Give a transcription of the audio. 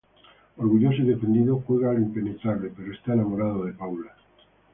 Orgulloso y defendido, juega al impenetrable pero está enamorado de Paula.